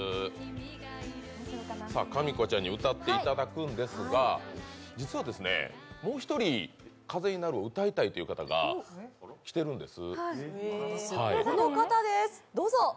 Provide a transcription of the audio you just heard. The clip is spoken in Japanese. かみこちゃんに歌っていただくんですが「風になる」を歌いたいという方が来てるんです。